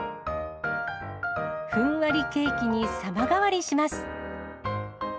ふんわりケーキに様変わりします。